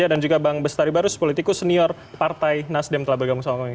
dan juga bang besetari barus politikus senior partai nasdem telabergamo sokongi